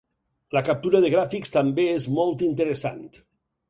La captura de gràfics també és molt interessant.